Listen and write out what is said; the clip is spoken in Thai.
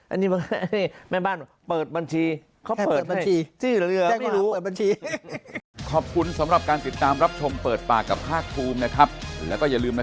อันนี้แม่บ้านเปิดบัญชี